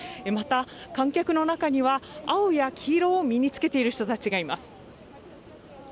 また観客の中には、青や黄色を身につけている人たちがいます。